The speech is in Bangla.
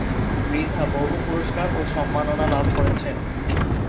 মৃধা বহু পুরস্কার ও সম্মাননা লাভ করেছেন।